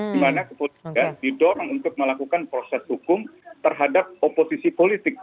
dimana kepolisian didorong untuk melakukan proses hukum terhadap oposisi politik